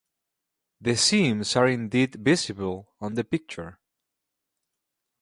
The seams are indeed visible on the picture.